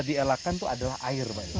dielakkan itu adalah air